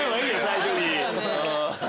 最初に。